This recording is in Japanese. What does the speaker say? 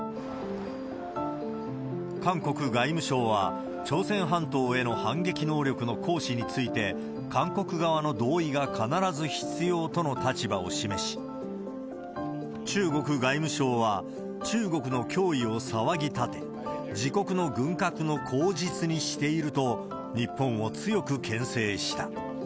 韓国外務省は、朝鮮半島への反撃能力の行使について、韓国側の同意が必ず必要との立場を示し、中国外務省は、中国の脅威を騒ぎ立て、自国の軍拡の口実にしていると、日本を強くけん制した。